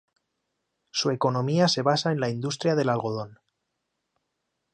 Su economía se basa en la industria del algodón.